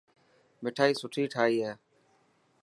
مٺائي سٺي ٺاهي هي.